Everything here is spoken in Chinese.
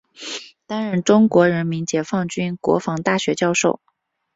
担任中国人民解放军国防大学教授。